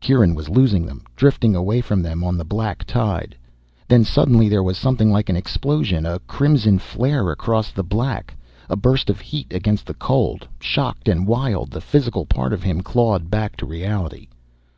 Kieran was losing them, drifting away from them on the black tide. Then suddenly there was something like an explosion, a crimson flare across the black, a burst of heat against the cold. Shocked and wild, the physical part of him clawed back to reality.